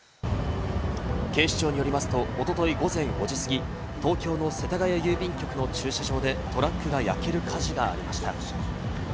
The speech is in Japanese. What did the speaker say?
警視庁によりますと、おととい午前５時過ぎ、東京の世田谷郵便局の駐車場でトラックが焼ける火事がありました。